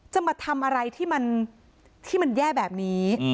จะมาทำอะไรที่มันแย่แบบนี้